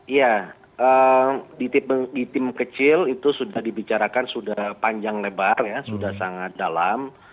iya di tim kecil itu sudah dibicarakan sudah panjang lebar ya sudah sangat dalam